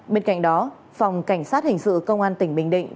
bên cạnh đó phòng cảnh sát hình sự công an tỉnh bình định